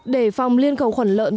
để phòng liên cầu khuẩn lợn